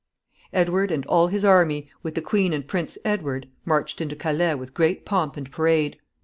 Edward and all his army, with the queen and Prince Edward, marched into Calais with great pomp and parade.